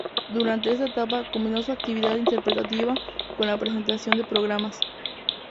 Durante esta etapa combinó su actividad interpretativa con la presentación de programas.